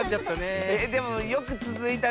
えでもよくつづいたね。